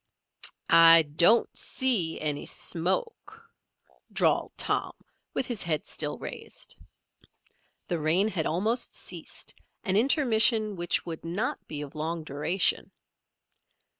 "I, don't, see, any, smoke," drawled Tom, with his head still raised. The rain had almost ceased, an intermission which would not be of long duration.